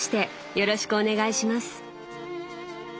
よろしくお願いします。